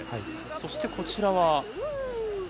そして、こちらは。